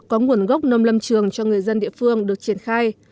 có nguồn gốc nông lâm trường cho người dân địa phương được triển khai